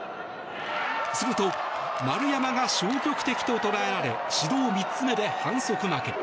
すると、丸山が消極的と捉えられ指導３つ目で反則負け。